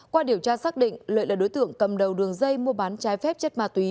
qua điều tra xác định lợi là đối tượng cầm đầu đường dây mua bán trái phép chất ma túy